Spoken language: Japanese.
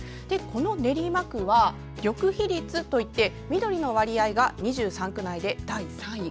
この練馬区は緑被率といって緑の割合が２３区内で第３位。